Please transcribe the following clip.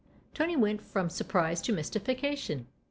Tony went from surprise to mystification.